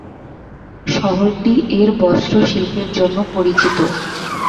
শহরটি এর বস্ত্র শিল্পের জন্য পরিচিত।